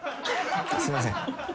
すいません。